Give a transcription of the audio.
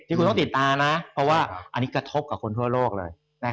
คุณต้องติดตามนะเพราะว่าอันนี้กระทบกับคนทั่วโลกเลย